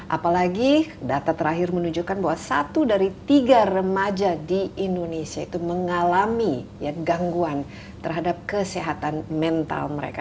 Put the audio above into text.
apalagi data terakhir menunjukkan bahwa satu dari tiga remaja di indonesia itu mengalami gangguan terhadap kesehatan mental mereka